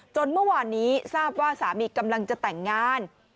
เมื่อวานนี้ทราบว่าสามีกำลังจะแต่งงาน